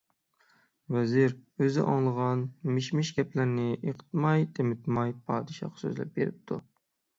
ۋەزىر ئۆزى ئاڭلىغان مىش-مىش گەپلەرنى ئېقىتماي-تېمىتماي پادىشاھقا سۆزلەپ بېرىپتۇ.